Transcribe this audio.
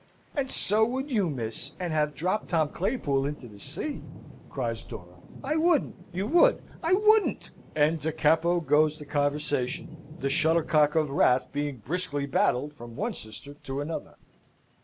"And so would you, miss, and have dropped Tom Claypool into the sea!" cries Dora. "I wouldn't." "You would." "I wouldn't;" and da capo goes the conversation the shuttlecock of wrath being briskly battled from one sister to another.